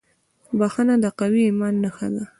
• بښنه د قوي ایمان نښه ده.